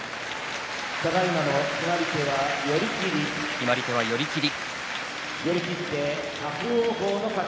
決まり手は寄り切り。